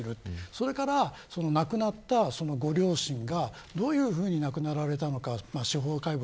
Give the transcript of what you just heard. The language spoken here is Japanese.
それから、亡くなったご両親がどういうふうに亡くなられたのか司法解剖